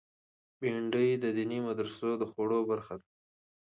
بېنډۍ د دیني مدرسو د خواړو برخه ده